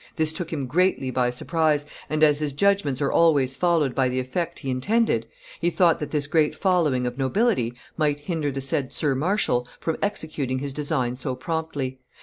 "This took him greatly by surprise, and as his judgments are always followed by the effect he intended, he thought that this great following of nobility might hinder the said sir marshal from executing his design so promptly.